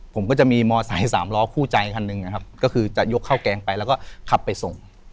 ผมก็จะมีมอสายสามล้อคู่ใจคันหนึ่งนะครับก็คือจะยกข้าวแกงไปแล้วก็ขับไปส่ง